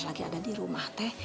lagi ada di rumah teh